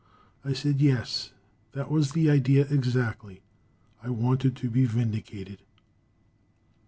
I said yes, that was the idea exactly. I wanted to be vindicated.